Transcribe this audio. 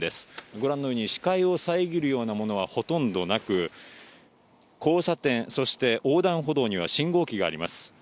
ご覧のように、視界を遮るようなものはほとんどなく、交差点、そして横断歩道には信号機があります。